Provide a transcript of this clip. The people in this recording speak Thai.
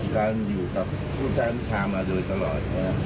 การอยู่ข้ามันถามมาโดยตลอด